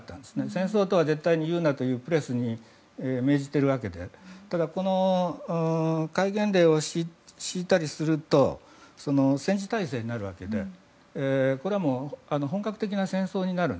戦争とは絶対に言うなとプレスに命じているわけでただこの戒厳令を敷いたりすると戦時体制になるわけでこれは本格的な戦争になる。